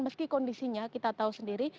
meski kondisinya kita tahu sendiri